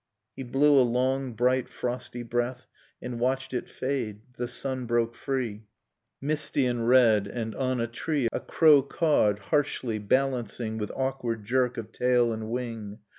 — He blew a long bright frosty breath, And watched it fade. The sun broke free, Misty and red, and on a tree A crow cawed, harshly, balancing With awkward jerk of tail and wing